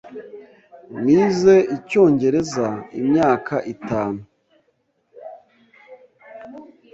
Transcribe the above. Nize Icyongereza imyaka itanu.